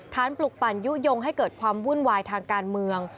ปลุกปั่นยุโยงให้เกิดความวุ่นวายทางการเมือง